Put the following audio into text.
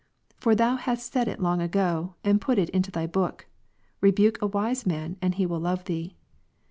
For Thou hadst said it long ago, and put it into Thy book. Rebuke a ivise man, and he will love thee.